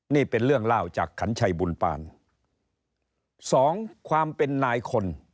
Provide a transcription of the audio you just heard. นี่เป็นเรื่องเล่าจากขันชัยบุญปานสองความเป็นนายคน